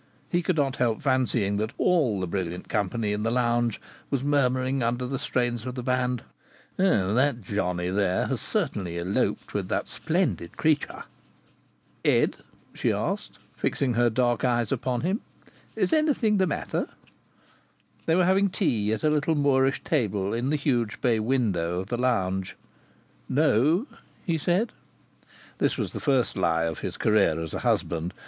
He could not help fancying that all the brilliant company in the lounge was murmuring under the strains of the band: "That johnny there has certainly eloped with that splendid creature!" "Ed," she asked, fixing her dark eyes upon him, "is anything the matter?" They were having tea at a little Moorish table in the huge bay window of the lounge. "No," he said. This was the first lie of his career as a husband.